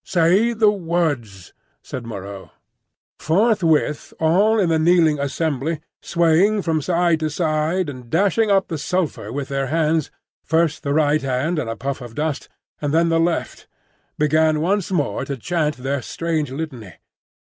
"Say the words!" said Moreau. Forthwith all in the kneeling assembly, swaying from side to side and dashing up the sulphur with their hands,—first the right hand and a puff of dust, and then the left,—began once more to chant their strange litany.